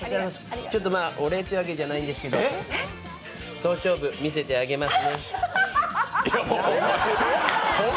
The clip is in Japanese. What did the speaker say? お礼ってわけじゃないですけど、頭頂部、見せてあげます。